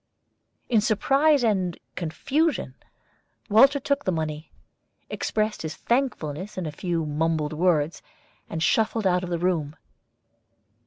In surprise and confusion Walter took the money, expressed his thankfulness in a few mumbled words, and shuffled out of the room.